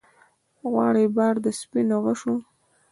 غواړي بار د سپینو غشو